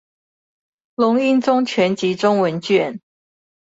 龍瑛宗全集中文卷